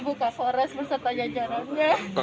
beserta ibu kak fores beserta jajarannya